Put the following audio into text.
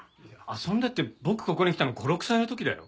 遊んでって僕ここに来たの５６歳の時だよ。